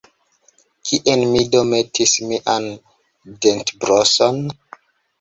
Kien mi do metis mian dentbroson?